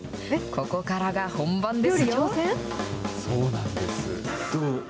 ここからが本番ですよ。